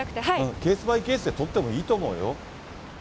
ケースバイケースで取ってもいいと思うよ。